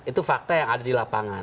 itu fakta yang ada di lapangan